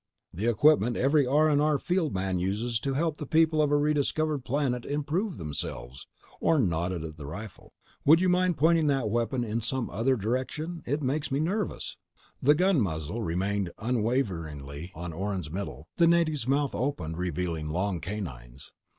"The equipment every R&R field man uses to help the people of a rediscovered planet improve themselves." Orne nodded at the rifle. "Would you mind pointing that weapon some other direction? It makes me nervous." The gun muzzle remained unwaveringly on Orne's middle. The native's mouth opened, revealing long canines.